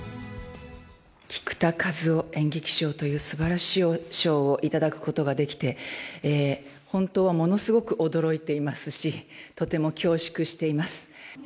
菊田一夫演劇賞というすばらしい賞を頂くことができて、本当はものすごく驚いていますし、とても恐縮しています。